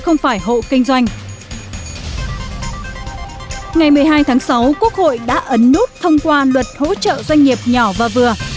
ngày một mươi hai tháng sáu quốc hội đã ấn nút thông qua luật hỗ trợ doanh nghiệp nhỏ và vừa